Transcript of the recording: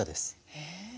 へえ。